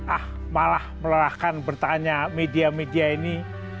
ah malah melelahkan bertanya media media ini